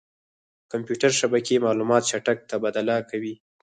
کمپیوټر شبکې معلومات چټک تبادله کوي.